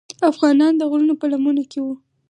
افغانان د غرونو په لمنو کې وو.